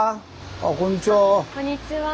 あっこんにちは。